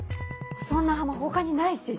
そんな浜他にないし。